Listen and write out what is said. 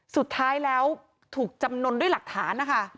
สุดท้ายแล้วถูกจำนวนด้วยหลักฐานนะคะ